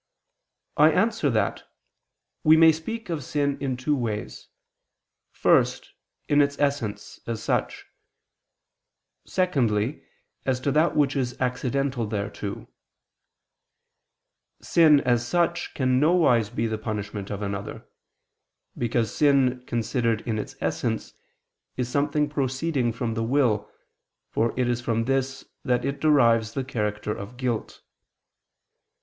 I answer that, We may speak of sin in two ways: first, in its essence, as such; secondly, as to that which is accidental thereto. Sin as such can nowise be the punishment of another. Because sin considered in its essence is something proceeding from the will, for it is from this that it derives the character of guilt.